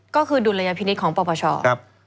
ก็คือดุลยพินิษฐ์ของปปช